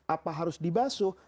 apa harus dibasuh